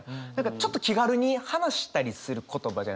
ちょっと気軽に話したりする言葉じゃないですか。